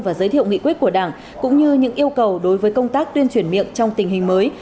và giới thiệu nghị quyết của đảng cũng như những yêu cầu đối với công tác tuyên truyền miệng trong tình hình mới